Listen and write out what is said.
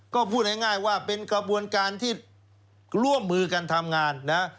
ก็พูดง่ายว่าเป็นกระบวนการที่ร่วมมือกันทำงานนะ